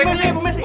buat ibu messi